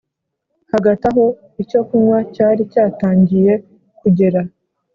hagati aho icyokunywa cyari cyatangiye kugera